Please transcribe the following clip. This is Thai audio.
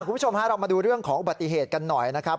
คุณผู้ชมฮะเรามาดูเรื่องของอุบัติเหตุกันหน่อยนะครับ